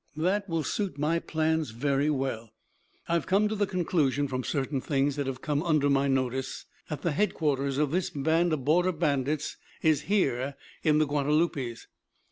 "That will suit my plans very well. I have come to the conclusion, from certain things that have come under my notice, that the headquarters of this band of Border Bandits is here in the Guadalupes.